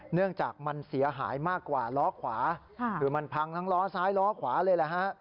เนื่องจากมันเสียหายมากกว่าล้อขวาคือมันพังทั้งล้อซ้ายล้อขวาเลยแหละฮะ